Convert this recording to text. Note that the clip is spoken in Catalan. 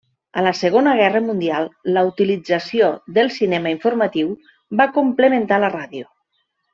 A la Segona Guerra Mundial la utilització del cinema informatiu va complementar la ràdio.